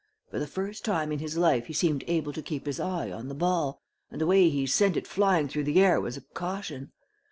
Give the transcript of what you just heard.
For the first time in his life he seemed able to keep his eye on the ball, and the way he sent it flying through the air was a caution.